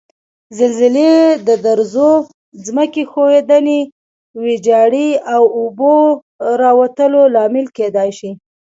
زلزلې د درزو، ځمکې ښویدنې، ویجاړي او اوبو راوتو لامل کېدای شي.